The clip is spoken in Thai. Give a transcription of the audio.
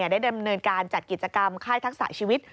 ได้ดำเนินการจัดกิจกรรมค่ายทักษะชีวิต